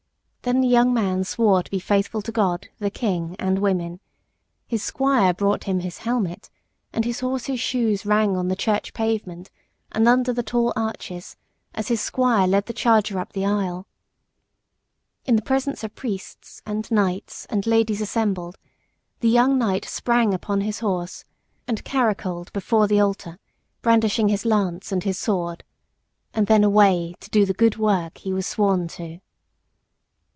Then the young man swore to be faithful to God, the King, and woman; his squire brought him his helmet, and his horse's shoes rang on the church pavement and under the tall arches as his squire led the charger up the aisle. In the presence of priests, and knights, and ladies assembled, the young knight sprang upon his horse and caracoled before the altar, brandishing his lance and his sword. And then away to do the good work he was sworn to.